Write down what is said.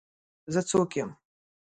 زه څوک یم؟